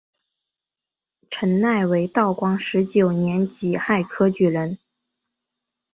陈鼐为道光十九年己亥科举人。